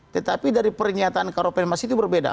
tetapi dari pernyataan karopenmas itu berbeda